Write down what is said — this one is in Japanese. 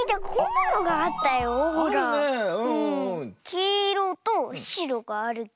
きいろとしろがあるけど。